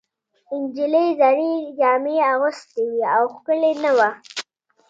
نجلۍ زړې جامې اغوستې وې او ښکلې نه وه.